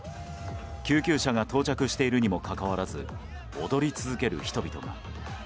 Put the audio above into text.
救急車が到着しているにもかかわらず、踊り続ける人々が。